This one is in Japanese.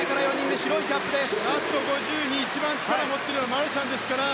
ラスト５０に一番力を持ってくるマルシャンですから。